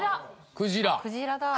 クジラ？